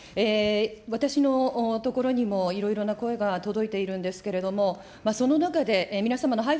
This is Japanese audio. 私のところにも、いろいろな声が届いているんですけれども、その中で、皆様の配付